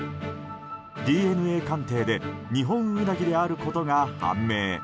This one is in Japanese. ＤＮＡ鑑定でニホンウナギであることが判明。